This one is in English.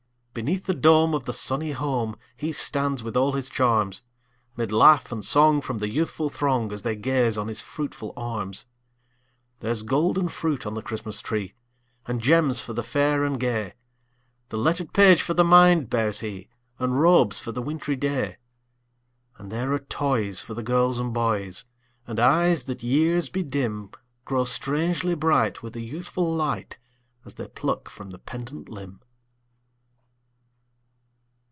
Beneath the dome of the sunny home, He stands with all his charms; 'Mid laugh and song from the youthful throng, As they gaze on his fruitful arms. There's golden fruit on the Christmas tree, And gems for the fair and gay; The lettered page for the mind bears he, And robes for the wintry day. And there are toys for the girls and boys; And eyes that years bedim Grow strangely bright, with a youthful light, As they pluck from the pendant limb.